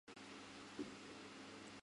后改为滨州知州。